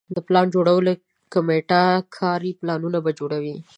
د پلان جوړولو کمیټه کاري پلانونه به جوړوي.